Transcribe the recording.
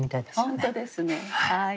本当ですねはい。